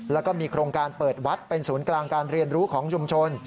แล้วก็มีโครงการเปิดวัดเป็นศูนย์กลางการเรียนรู้ของชุมชน